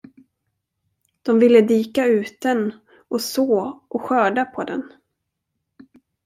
De ville dika ut den och så och skörda på den.